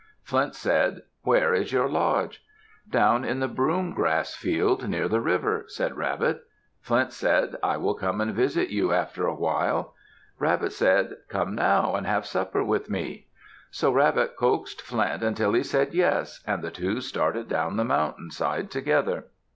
Flint said, "Where is your lodge?" "Down in the broom grass field near the river," said Rabbit. Flint said, "I will come and visit you after a while." Rabbit said, "Come now and have supper with me." So Rabbit coaxed Flint until he said yes, and the two started down the mountain side together.